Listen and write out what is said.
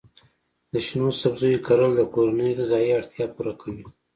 د شنو سبزیو کرل د کورنۍ غذایي اړتیا پوره کوي.